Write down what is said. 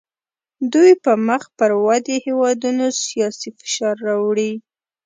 دوی په مخ پر ودې هیوادونو سیاسي فشار راوړي